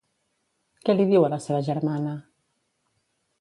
Què li diu a la seva germana?